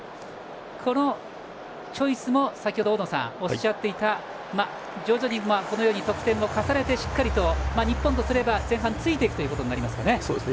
このチョイスも先程大野さんがおっしゃっていた徐々に得点を重ねてしっかりと日本とすれば前半、ついていくことになりますね。